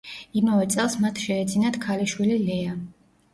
იმავე წელს მათ შეეძინათ ქალიშვილი ლეა.